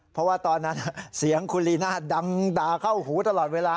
เพราะว่าตอนนั้นเสียงคุณลีน่าดังด่าเข้าหูตลอดเวลา